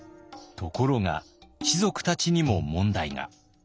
ところが士族たちにも問題が。